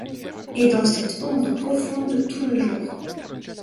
Et dans cette ombre profonde tout le jour.